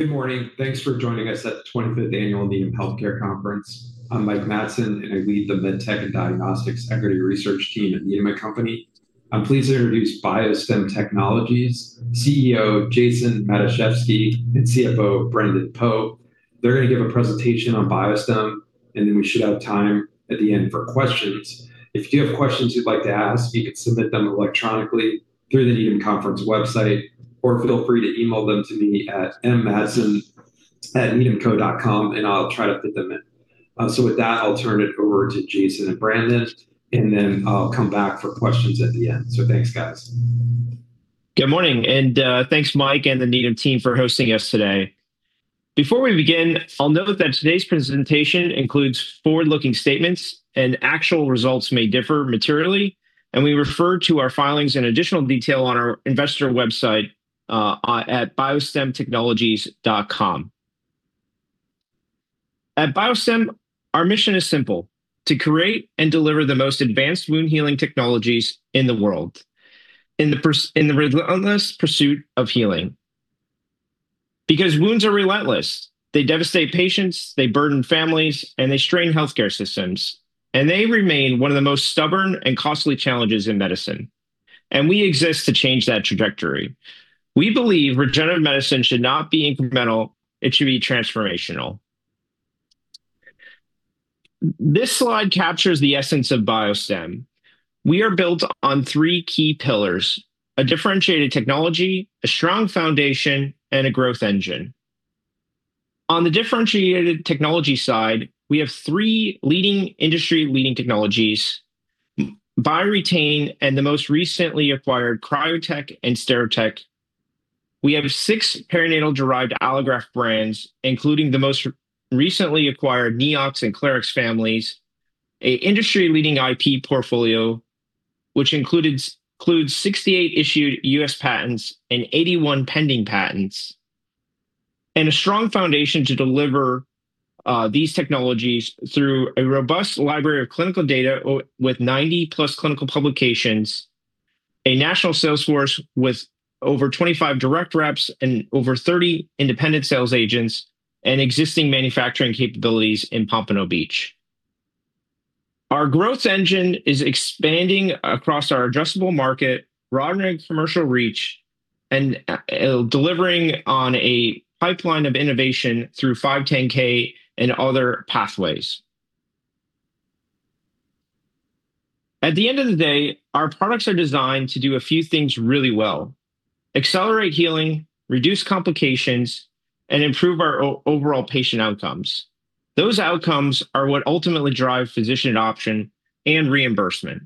Good morning. Thanks for joining us at the 25th Annual Needham Healthcare Conference. I'm Mike Matson, and I lead the MedTech and Diagnostics Equity Research team at the Needham & Company. I'm pleased to introduce BioStem Technologies' CEO, Jason Matuszewski, and CFO, Brandon Poe. They're going to give a presentation on BioStem, and then we should have time at the end for questions. If you have questions you'd like to ask, you can submit them electronically through the Needham conference website, or feel free to email them to me at mmatson@needhamco.com and I'll try to fit them in. With that, I'll turn it over to Jason and Brandon, and then I'll come back for questions at the end. Thanks, guys. Good morning, and thanks, Mike and the Needham team for hosting us today. Before we begin, I'll note that today's presentation includes forward-looking statements and actual results may differ materially, and we refer to our filings in additional detail on our investor website at biostemtechnologies.com. At BioStem, our mission is simple, to create and deliver the most advanced wound healing technologies in the world in the relentless pursuit of healing. Because wounds are relentless, they devastate patients, they burden families, and they strain healthcare systems, and they remain one of the most stubborn and costly challenges in medicine. We exist to change that trajectory. We believe regenerative medicine should not be incremental, it should be transformational. This slide captures the essence of BioStem. We are built on three key pillars, a differentiated technology, a strong foundation, and a growth engine. On the differentiated technology side, we have three industry-leading technologies, BioRetain, and the most recently acquired CryoTek and SteriTek. We have six perinatal-derived allograft brands, including the most recently acquired Neox and Clarix families, a industry-leading IP portfolio, which includes 68 issued U.S. patents and 81 pending patents, and a strong foundation to deliver these technologies through a robust library of clinical data with 90+ clinical publications, a national sales force with over 25 direct reps and over 30 independent sales agents, and existing manufacturing capabilities in Pompano Beach. Our growth engine is expanding across our addressable market, broadening commercial reach, and delivering on a pipeline of innovation through 510(k) and other pathways. At the end of the day, our products are designed to do a few things really well, accelerate healing, reduce complications, and improve our overall patient outcomes. Those outcomes are what ultimately drive physician adoption and reimbursement.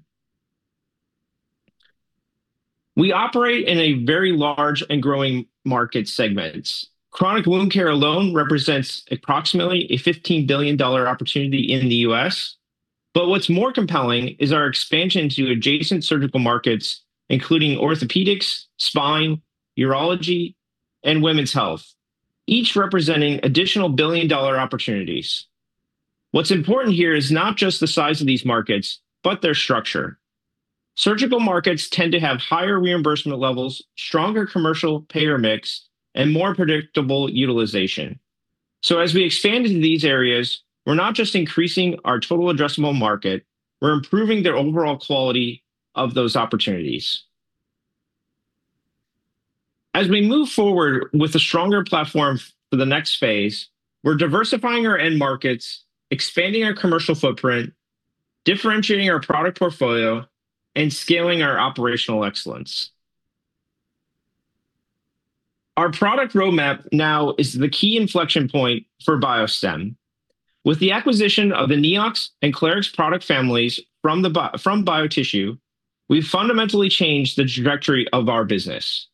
We operate in a very large and growing market segments. Chronic wound care alone represents approximately a $15 billion opportunity in the U.S. What's more compelling is our expansion to adjacent surgical markets, including orthopedics, spine, urology, and women's health, each representing additional billion-dollar opportunities. What's important here is not just the size of these markets, but their structure. Surgical markets tend to have higher reimbursement levels, stronger commercial payer mix, and more predictable utilization. As we expand into these areas, we're not just increasing our total addressable market, we're improving the overall quality of those opportunities. As we move forward with a stronger platform for the next phase, we're diversifying our end markets, expanding our commercial footprint, differentiating our product portfolio, and scaling our operational excellence. Our product roadmap now is the key inflection point for BioStem. With the acquisition of the Neox and Clarix product families from BioTissue, we've fundamentally changed the trajectory of our business.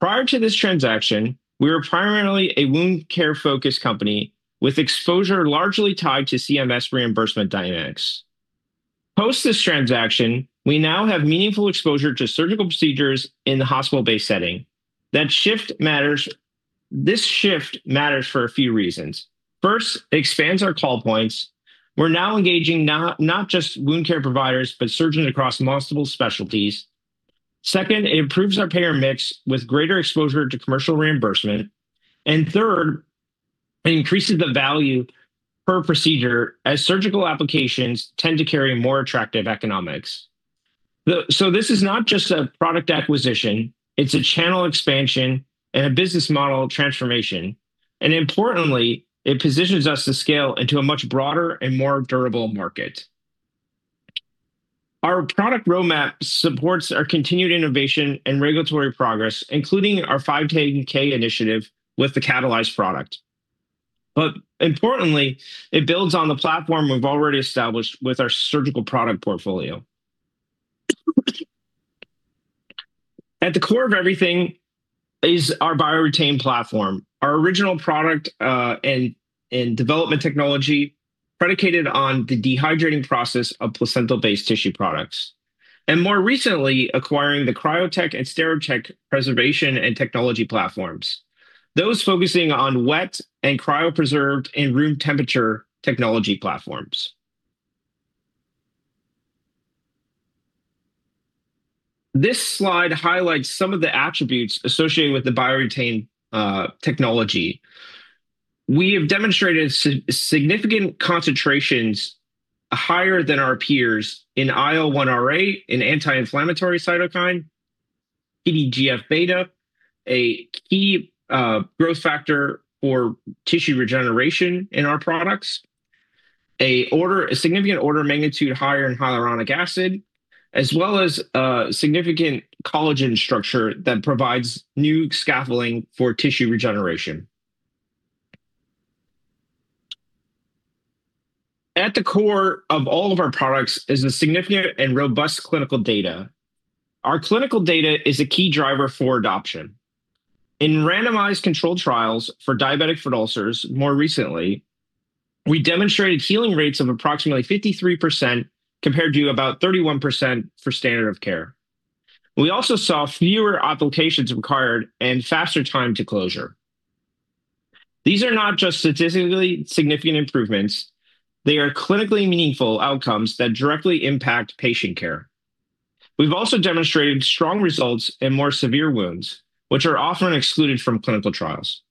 Prior to this transaction, we were primarily a wound care-focused company with exposure largely tied to CMS reimbursement dynamics. Post this transaction, we now have meaningful exposure to surgical procedures in the hospital-based setting. This shift matters for a few reasons. First, it expands our call points. We're now engaging not just wound care providers, but surgeons across multiple specialties. Second, it improves our payer mix with greater exposure to commercial reimbursement. Third, it increases the value per procedure as surgical applications tend to carry more attractive economics. This is not just a product acquisition, it's a channel expansion and a business model transformation. Importantly, it positions us to scale into a much broader and more durable market. Our product roadmap supports our continued innovation and regulatory progress, including our 510(k) initiative with the Catalyze product. Importantly, it builds on the platform we've already established with our surgical product portfolio. At the core of everything is our BioRetain platform, our original product and development technology predicated on the dehydrating process of placental-based tissue products, and more recently acquiring the CryoTek and SteriTek preservation and technology platforms, those focusing on wet and cryopreserved and room temperature technology platforms. This slide highlights some of the attributes associated with the BioRetain technology. We have demonstrated significant concentrations higher than our peers in IL-1RA, an anti-inflammatory cytokine, TGF-beta, a key growth factor for tissue regeneration in our products, a significant order of magnitude higher in hyaluronic acid, as well as significant collagen structure that provides new scaffolding for tissue regeneration. At the core of all of our products is a significant and robust clinical data. Our clinical data is a key driver for adoption. In randomized controlled trials for diabetic foot ulcers, more recently, we demonstrated healing rates of approximately 53% compared to about 31% for standard of care. We also saw fewer applications required and faster time to closure. These are not just statistically significant improvements. They are clinically meaningful outcomes that directly impact patient care. We've also demonstrated strong results in more severe wounds, which are often excluded from clinical trials.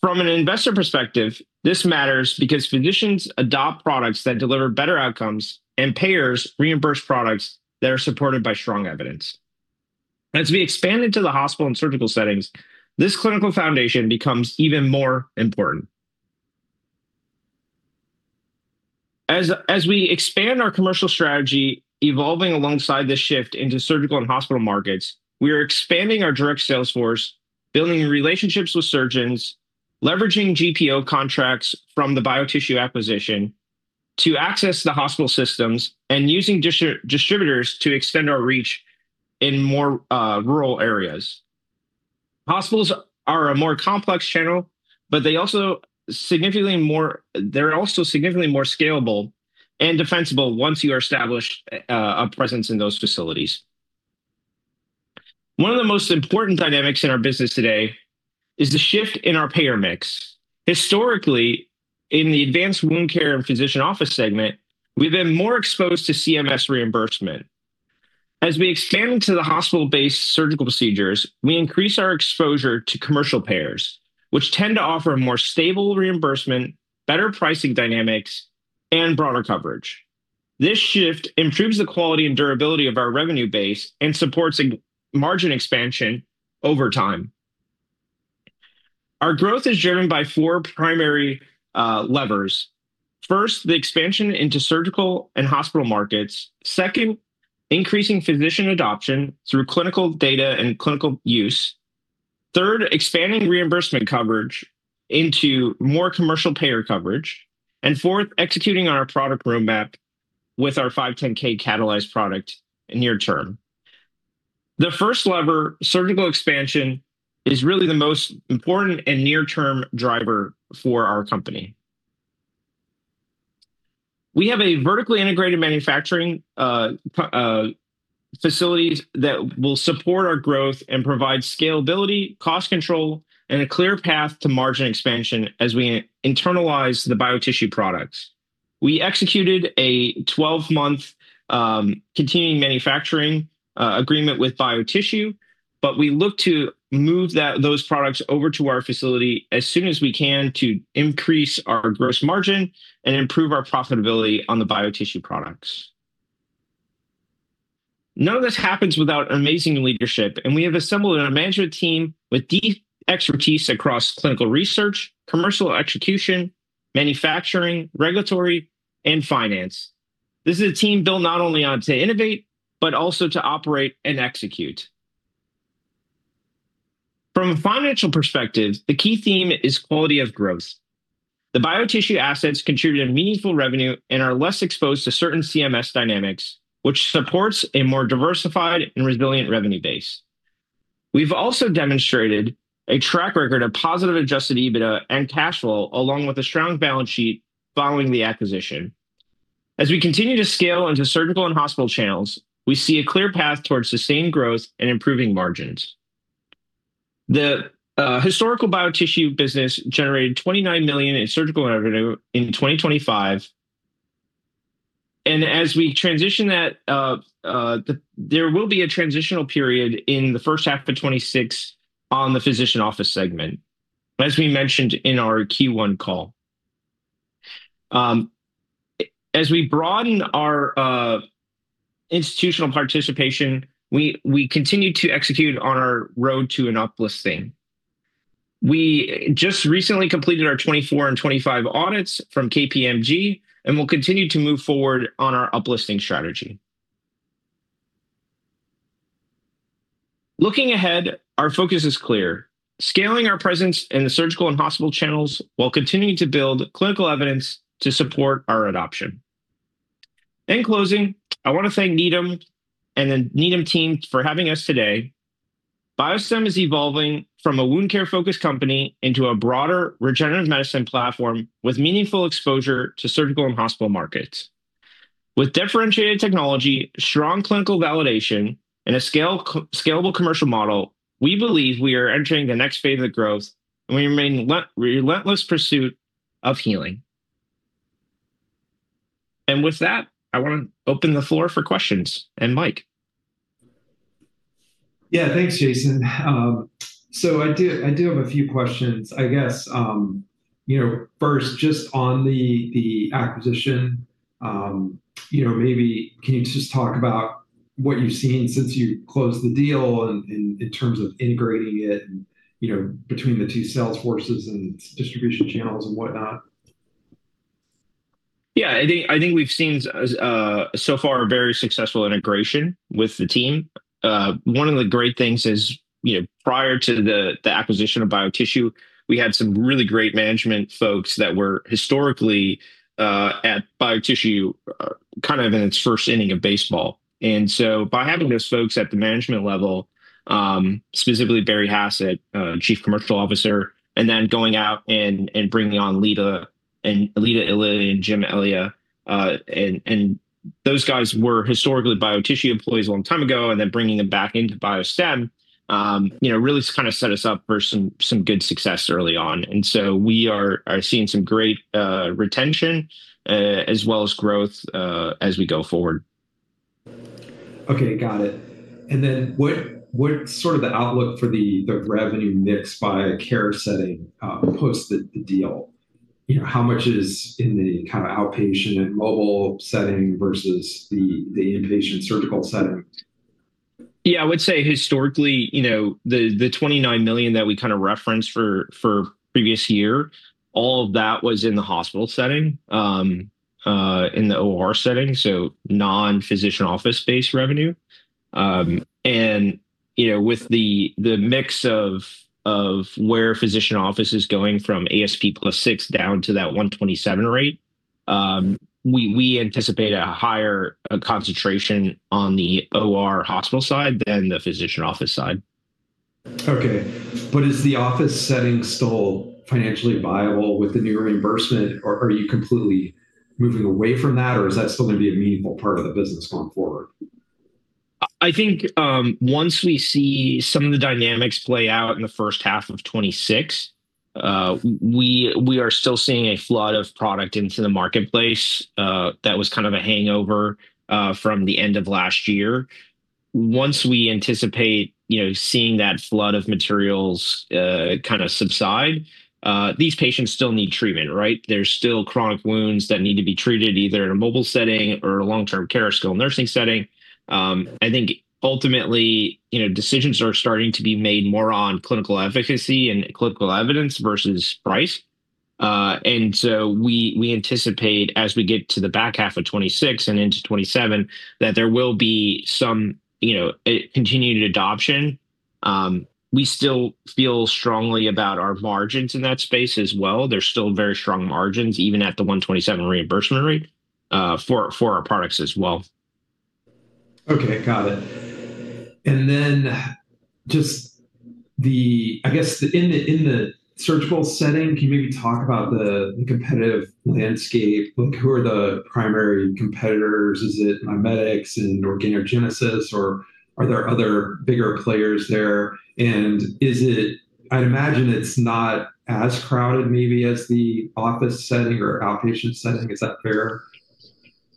From an investor perspective, this matters because physicians adopt products that deliver better outcomes, and payers reimburse products that are supported by strong evidence. As we expand into the hospital and surgical settings, this clinical foundation becomes even more important. As we expand our commercial strategy, evolving alongside this shift into surgical and hospital markets, we are expanding our direct sales force, building relationships with surgeons, leveraging GPO contracts from the BioTissue acquisition to access the hospital systems, and using distributors to extend our reach in more rural areas. Hospitals are a more complex channel, but they're also significantly more scalable and defensible once you establish a presence in those facilities. One of the most important dynamics in our business today is the shift in our payer mix. Historically, in the advanced wound care and physician office segment, we've been more exposed to CMS reimbursement. As we expand to the hospital-based surgical procedures, we increase our exposure to commercial payers, which tend to offer a more stable reimbursement, better pricing dynamics, and broader coverage. This shift improves the quality and durability of our revenue base and supports margin expansion over time. Our growth is driven by four primary levers. First, the expansion into surgical and hospital markets. Second, increasing physician adoption through clinical data and clinical use. Third, expanding reimbursement coverage into more commercial payer coverage. Fourth, executing on our product roadmap with our 510(k) Catalyze product in near term. The first lever, surgical expansion, is really the most important and near-term driver for our company. We have a vertically integrated manufacturing facilities that will support our growth and provide scalability, cost control, and a clear path to margin expansion as we internalize the BioTissue products. We executed a 12-month continuing manufacturing agreement with BioTissue, but we look to move those products over to our facility as soon as we can to increase our gross margin and improve our profitability on the BioTissue products. None of this happens without amazing leadership, and we have assembled a management team with deep expertise across clinical research, commercial execution, manufacturing, regulatory, and finance. This is a team built not only to innovate, but also to operate and execute. From a financial perspective, the key theme is quality of growth. The BioTissue assets contribute a meaningful revenue and are less exposed to certain CMS dynamics, which supports a more diversified and resilient revenue base. We've also demonstrated a track record of positive adjusted EBITDA and cash flow, along with a strong balance sheet following the acquisition. As we continue to scale into surgical and hospital channels, we see a clear path towards sustained growth and improving margins. The historical BioTissue business generated $29 million in surgical revenue in 2025. As we transition that, there will be a transitional period in the first half of 2026 on the physician office segment, as we mentioned in our Q1 call. As we broaden our institutional participation, we continue to execute on our road to an uplisting. We just recently completed our 2024 and 2025 audits from KPMG, and we'll continue to move forward on our uplisting strategy. Looking ahead, our focus is clear, scaling our presence in the surgical and hospital channels while continuing to build clinical evidence to support our adoption. In closing, I want to thank Needham and the Needham team for having us today. BioStem is evolving from a wound-care-focused company into a broader regenerative medicine platform with meaningful exposure to surgical and hospital markets. With differentiated technology, strong clinical validation, and a scalable commercial model, we believe we are entering the next phase of growth, and we remain relentless pursuit of healing. With that, I want to open the floor for questions. Mike. Yeah. Thanks, Jason. I do have a few questions, I guess. First, just on the acquisition, maybe can you just talk about what you've seen since you closed the deal in terms of integrating it between the two sales forces and distribution channels and whatnot? Yeah. I think we've seen, so far, a very successful integration with the team. One of the great things is, prior to the acquisition of BioTissue, we had some really great management folks that were historically at BioTissue, kind of in its first inning of baseball. By having those folks at the management level, specifically Barry Hassett, Chief Commercial Officer, and then going out and bringing on Lita Lilly and Jim Elia, and those guys were historically BioTissue employees a long time ago, and then bringing them back into BioStem, really set us up for some good success early on. We are seeing some great retention, as well as growth, as we go forward. Okay. Got it. What's sort of the outlook for the revenue mix by care setting post the deal? How much is in the outpatient and mobile setting versus the inpatient surgical setting? Yeah. I would say historically, the $29 million that we referenced for previous year, all of that was in the hospital setting, in the OR setting, so non-physician office-based revenue. With the mix of where physician office is going from ASP plus 6% down to that $127 rate, we anticipate a higher concentration on the OR hospital side than the physician office side. Okay. Is the office setting still financially viable with the new reimbursement, or are you completely moving away from that, or is that still going to be a meaningful part of the business going forward? I think once we see some of the dynamics play out in the first half of 2026, we are still seeing a flood of product into the marketplace that was kind of a hangover from the end of last year. Once we anticipate seeing that flood of materials subside, these patients still need treatment, right? There's still chronic wounds that need to be treated, either in a mobile setting or a long-term care skilled nursing setting. I think ultimately, decisions are starting to be made more on clinical efficacy and clinical evidence versus price. We anticipate as we get to the back half of 2026 and into 2027 that there will be some continued adoption. We still feel strongly about our margins in that space as well. There's still very strong margins, even at the $127 reimbursement rate, for our products as well. Okay. Got it. I guess in the surgical setting, can you maybe talk about the competitive landscape? Who are the primary competitors? Is it MiMedx and Organogenesis, or are there other bigger players there? I'd imagine it's not as crowded maybe as the office setting or outpatient setting. Is that fair?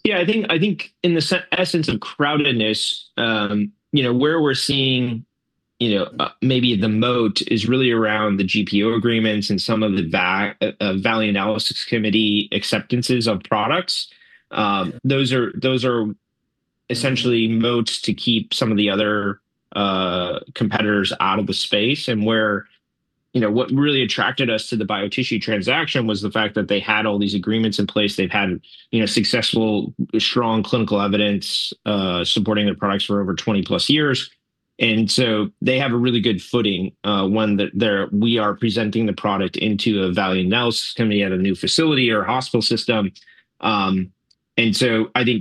Yeah. I think in the essence of crowdedness, where we're seeing maybe the moat is really around the GPO agreements and some of the value analysis committee acceptances of products. Those are essentially moats to keep some of the other competitors out of the space. What really attracted us to the BioTissue transaction was the fact that they had all these agreements in place. They've had successful, strong clinical evidence supporting their products for over 20+ years. They have a really good footing, one, that we are presenting the product into a value analysis committee at a new facility or hospital system. I think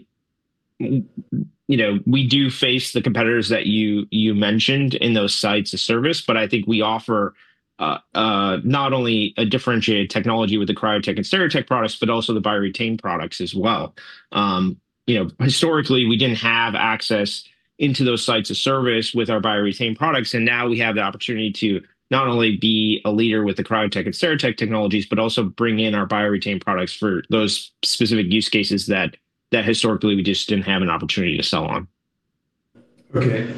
we do face the competitors that you mentioned in those sites of service, but I think we offer not only a differentiated technology with the CryoTek and SteriTek products, but also the BioRetain products as well. Historically, we didn't have access into those sites of service with our BioRetain products, and now we have the opportunity to not only be a leader with the CryoTek and SteriTek technologies, but also bring in our BioRetain products for those specific use cases that historically we just didn't have an opportunity to sell on. Okay.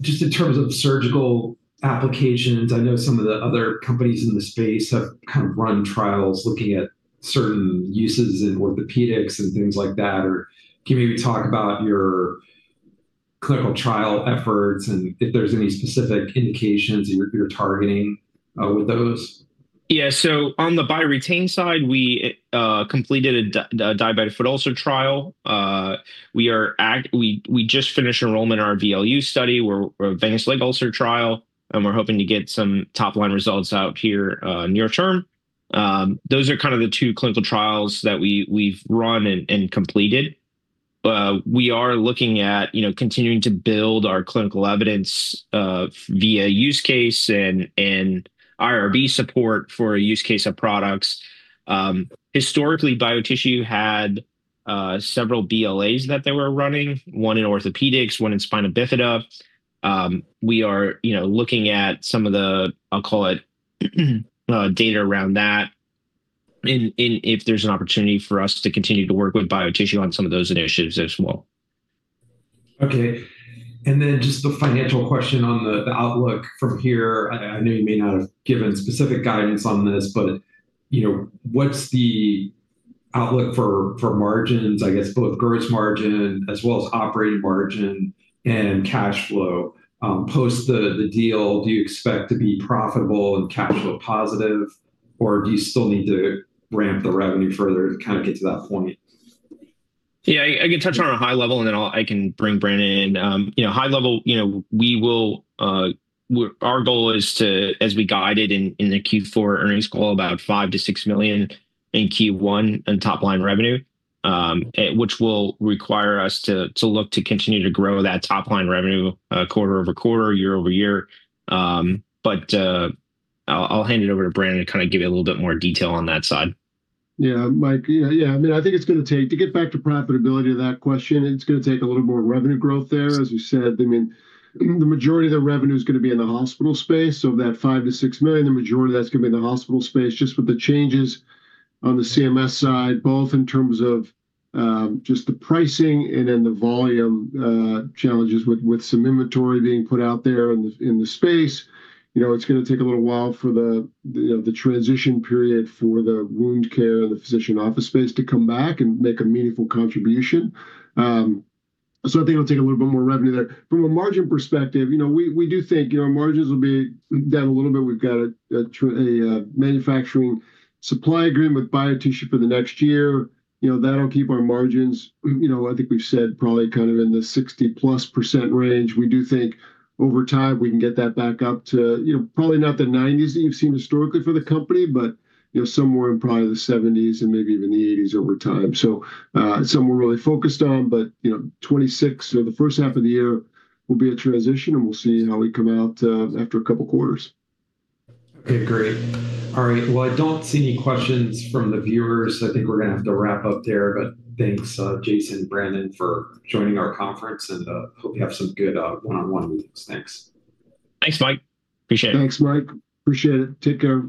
Just in terms of surgical applications, I know some of the other companies in the space have run trials looking at certain uses in orthopedics and things like that. Can you maybe talk about your clinical trial efforts and if there's any specific indications you're targeting with those? Yeah. On the BioRetain side, we completed a diabetic foot ulcer trial. We just finished enrollment in our VLU study, our venous leg ulcer trial, and we're hoping to get some top-line results out here near-term. Those are kind of the two clinical trials that we've run and completed. We are looking at continuing to build our clinical evidence via use case and IRB support for a use case of products. Historically, BioTissue had several BLAs that they were running, one in orthopedics, one in spina bifida. We are looking at some of the, I'll call it, data around that, and if there's an opportunity for us to continue to work with BioTissue on some of those initiatives as well. Okay. Just the financial question on the outlook from here, I know you may not have given specific guidance on this, but what's the outlook for margins, I guess both gross margin as well as operating margin and cash flow? Post the deal, do you expect to be profitable and cash flow positive, or do you still need to ramp the revenue further to kind of get to that point? Yeah, I can touch on a high level, and then I can bring Brandon in. High level, our goal is to, as we guided in the Q4 Earnings Call, about $5 million-$6 million in Q1 in top-line revenue, which will require us to look to continue to grow that top-line revenue quarter-over-quarter, year-over-year. I'll hand it over to Brandon to kind of give you a little bit more detail on that side. Yeah, Mike. I think to get back to profitability of that question, it's going to take a little more revenue growth there. As we said, the majority of the revenue is going to be in the hospital space, so that $5 million-$6 million, the majority of that's going to be in the hospital space, just with the changes on the CMS side, both in terms of just the pricing and then the volume challenges with some inventory being put out there in the space. It's going to take a little while for the transition period for the wound care and the physician office space to come back and make a meaningful contribution. I think it'll take a little bit more revenue there. From a margin perspective, we do think our margins will be down a little bit. We've got a manufacturing supply agreement with BioTissue for the next year. That'll keep our margins, I think we've said probably kind of in the 60%+ range. We do think over time, we can get that back up to probably not the 90s that you've seen historically for the company, but somewhere in probably the 70s and maybe even the 80s over time. Something we're really focused on, but 2026 or the first half of the year will be a transition, and we'll see how we come out after a couple of quarters. Okay, great. All right. Well, I don't see any questions from the viewers. I think we're going to have to wrap up there. Thanks, Jason, Brandon, for joining our conference. I hope you have some good one-on-one meetings. Thanks. Thanks, Mike. Appreciate it. Thanks, Mike. Appreciate it. Take care.